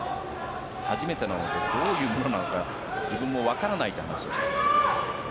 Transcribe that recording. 初めてなのでどういうものなのか自分もわからないと話していました。